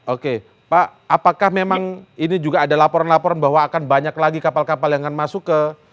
oke pak apakah memang ini juga ada laporan laporan bahwa akan banyak lagi kapal kapal yang akan masuk ke